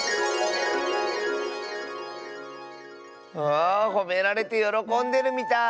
あほめられてよろこんでるみたい。